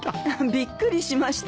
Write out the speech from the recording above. びっくりしましたよ。